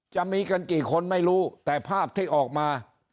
จะมีกันกี่คนไม่รู้แต่ภาพที่ออกมา